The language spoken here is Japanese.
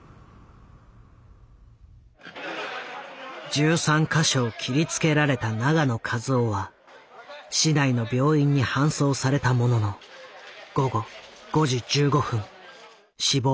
１３か所を切りつけられた永野一男は市内の病院に搬送されたものの３２歳だった。